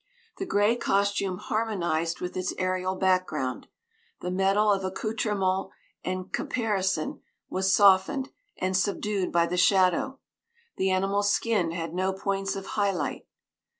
The gray costume harmonized with its aerial background; the metal of accoutrement and caparison was softened and subdued by the shadow; the animal's skin had no points of high light.